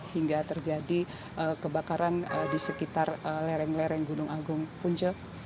hingga terjadi kebakaran di sekitar lereng lereng gunung agung punca